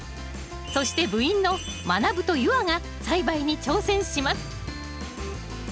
そして部員のまなぶと夕空が栽培に挑戦します